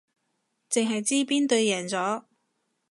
淨係知邊隊贏咗